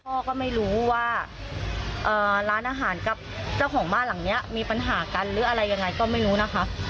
พ่อก็ไม่รู้ว่าร้านอาหารกับเจ้าของบ้านหลังนี้มีปัญหากันหรืออะไรยังไงก็ไม่รู้นะคะ